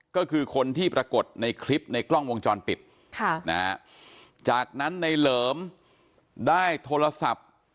ก็คือคนที่ปรากฏในคลิปในกล้องวงจรปิดจากนั้นในเหลิมได้โทรศัพท์